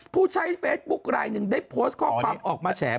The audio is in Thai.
ผู้ใช้เฟซบุ๊คลายหนึ่งได้โพสต์ข้อความออกมาแฉ